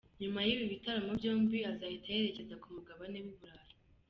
Nyuma y’ibi bitaramo byombi azahita yerekeza ku mugabane w’i Burayi.